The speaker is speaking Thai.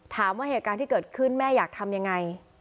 ถามว่าเหตุการณ์ที่เกิดขึ้นแม่อยากทำยังไง